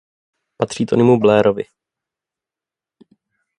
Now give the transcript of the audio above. Patří Tonymu Blairovi.